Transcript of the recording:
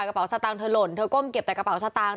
กระเป๋าสตางค์เธอหล่นเธอก้มเก็บแต่กระเป๋าสตางค์